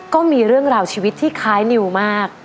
ก็มีเรื่องราวชีวิตที่คล้ายนิวมาก